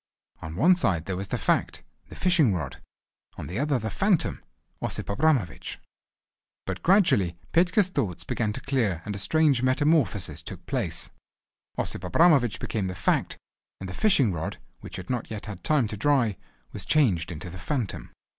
On one side there was the fact, the fishing rod—on the other the phantom, Osip Abramovich. But gradually Petka's thoughts began to clear and a strange metamorphosis took place: Osip Abramovich became the fact, and the fishing rod, which had not yet had time to dry, was changed into the phantom.